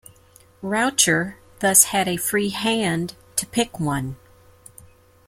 Raucher thus had a free hand to pick one.